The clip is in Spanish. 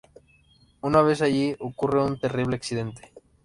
Una vez allí ocurre un terrible accidente.